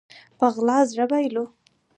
په غلا زړه بايلو